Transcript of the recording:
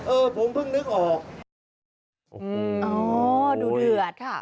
เออผมพึ่งนึกออกออโหดูเดือดคะ